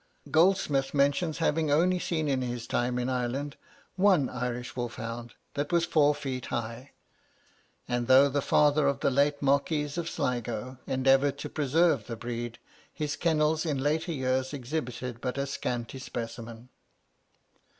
Goldsmith mentions having only seen in his time in Ireland one Irish wolf hound that was four feet high. And though the father of the late Marquis of Sligo endeavoured to preserve the breed, his kennels in latter years exhibited but a scanty specimen.